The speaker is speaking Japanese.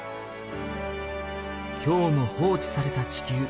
今日も放置された地球。